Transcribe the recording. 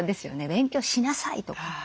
「勉強しなさい」とか。